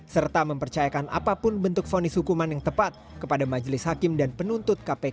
serta mempercayakan apapun bentuk fonis hukuman yang tepat kepada majelis hakim dan penuntut kpk